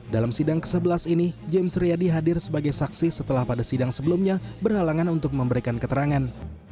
dalam sidang ke sebelas ini james riyadi hadir sebagai saksi setelah pada sidang sebelumnya berhalangan untuk memberikan keterangan